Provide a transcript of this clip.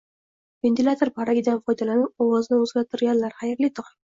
Ventilyator parragidan foydalanib ovozini o'zgartirganlar, xayrli tong!